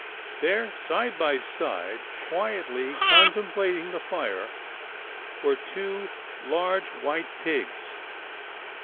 There side by side, quietly contemplating the fire, were two large white pigs.